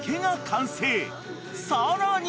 ［さらに］